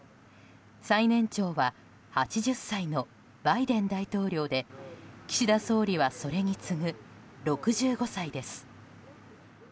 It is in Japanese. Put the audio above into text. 最年長は８０歳のバイデン大統領で岸田総理はそれに次ぐ６５歳です。